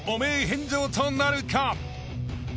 返上となるか？］